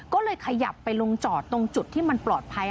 ก็เลยขยับไปลงจอดตรงจุดที่มันปลอดภัย